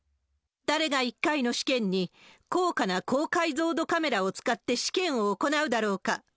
誰が１回の試験に高価な高解像度カメラを使って試験を行うだろうか。